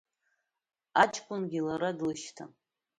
Аҷкәынгьы лара длышьҭан.